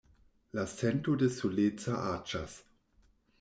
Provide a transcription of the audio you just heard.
La sento de soleca aĉas.